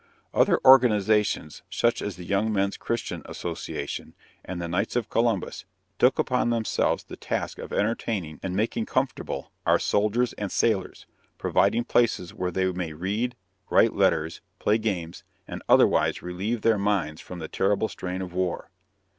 Other organizations such as the Young Men's Christian Association and the Knights of Columbus took upon themselves the task of entertaining and making comfortable our soldiers and sailors, providing places where they may read, write letters, play games, and otherwise relieve their minds from the terrible strain of war.